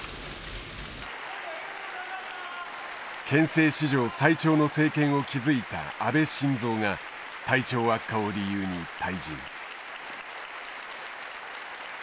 憲政史上最長の政権を築いた安倍晋三が体調悪化を理由に退陣。